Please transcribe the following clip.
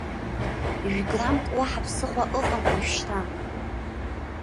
Жәграммк, уаҳа ԥсыхәа ыҟам ожәшьҭа!